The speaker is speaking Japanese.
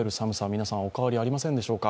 皆さん、おかわりありませんでしょうか。